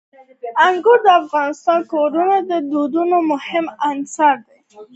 انګور د افغان کورنیو د دودونو مهم عنصر دی.